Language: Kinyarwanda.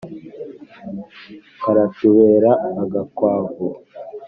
Karashubera-Agakwavu.